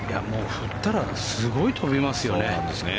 振ったらすごい飛びますよね。